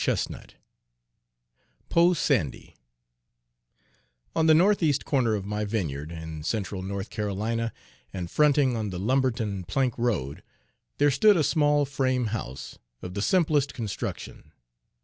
Page 36 PO' SANDY ON the northeast corner of my vineyard in central North Carolina, and fronting on the Lumberton plank road, there stood a small frame house, of the simplest construction.